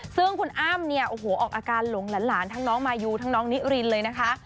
ซึ่งคุณอ้ำเนี่ยโอ้โหออกอาการหลงหลานทั้งน้องมายูทั้งน้องนิรินเลยนะคะ